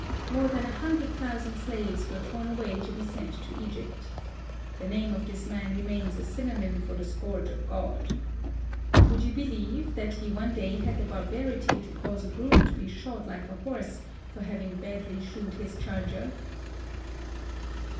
More than a hundred thousand slaves were torn away to be sent to Egypt. The name of this man remains a synonym for the Scourge of God. Would you believe it, that he one day had the barbarity to cause a groom to be shod like a horse for having badly shoed his charger